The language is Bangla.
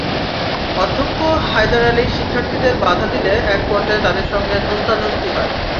অধ্যক্ষ হায়দার আলী শিক্ষার্থীদের বাধা দিলে একপর্যায়ে তাঁদের সঙ্গে ধস্তাধস্তি হয়।